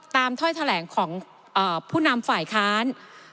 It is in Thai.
ถ้อยแถลงของผู้นำฝ่ายค้าน